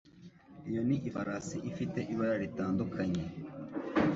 Iyo ni ifarashi ifite ibara ritandukanye.